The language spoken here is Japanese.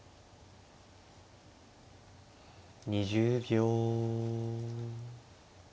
２０秒。